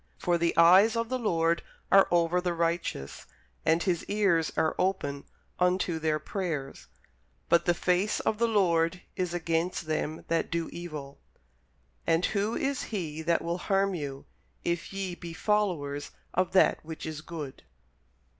For the eyes of the Lord are over the righteous, and His ears are open unto their prayers: but the face of the Lord is against them that do evil. And who is he that will harm you, if ye be followers of that which is good?